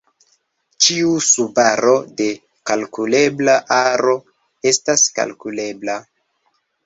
Ĉiu subaro de kalkulebla aro estas kalkulebla.